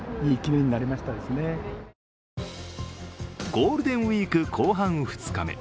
ゴールデンウイーク後半２日目。